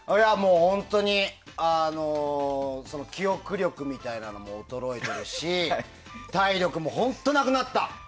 本当に記憶力みたいなものも衰えてるし体力も本当になくなった。